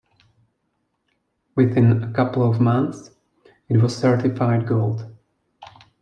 Within a couple of months it was certified Gold.